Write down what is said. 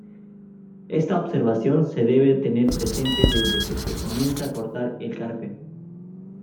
Esta observación se debe tener presente desde que se comienza a cortar el carpe.